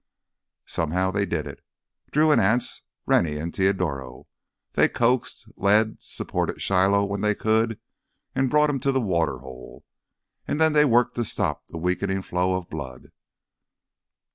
Somehow they did it—Drew and Anse, Rennie and Teodoro. They coaxed, led, supported Shiloh when they could, and brought him to the water hole. And then they worked to stop the weakening flow of blood.